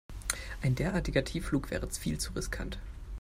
Ein derartiger Tiefflug wäre viel zu riskant.